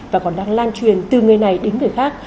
và còn đang lan truyền từ người này đến người khác